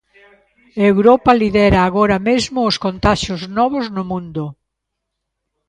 Europa lidera agora mesmo os contaxios novos no mundo.